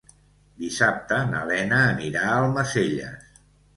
Dissabte na Lena anirà a Almacelles.